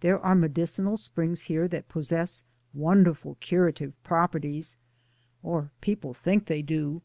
There are medicinal springs here that pos sess wonderful curative properties, or people think they do.